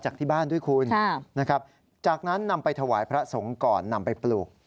จากที่บ้านด้วยคุณนะครับจากนั้นนำไปถวายพระสงฆ์ก่อนนำไปปลูก